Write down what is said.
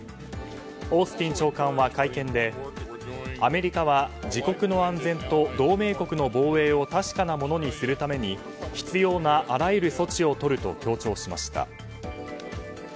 オースティン長官は会見でアメリカは自国の安全と同盟国の防衛を確かなものにするために必要なあらゆる措置をとると強調しました。